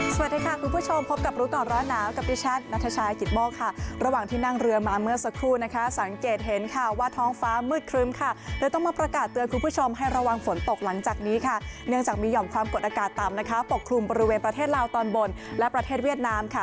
สวัสดีค่ะคุณผู้ชมพบกับรู้ก่อนร้อนหนาวกับดิฉันนัทชายกิตโมกค่ะระหว่างที่นั่งเรือมาเมื่อสักครู่นะคะสังเกตเห็นค่ะว่าท้องฟ้ามืดครึ้มค่ะเลยต้องมาประกาศเตือนคุณผู้ชมให้ระวังฝนตกหลังจากนี้ค่ะเนื่องจากมีห่อมความกดอากาศต่ำนะคะปกคลุมบริเวณประเทศลาวตอนบนและประเทศเวียดนามค่ะ